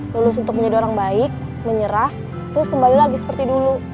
lulus untuk menjadi orang baik menyerah terus kembali lagi seperti dulu